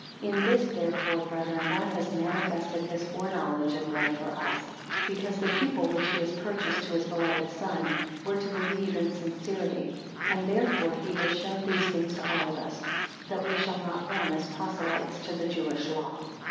20 In this, therefore, brethren, God has manifested his foreknowledge and love for us; because the people which he has purchased to his beloved Son were to believe in sincerity; and therefore he has shown these things to all of us, that we should not run as proselytes to the Jewish Law.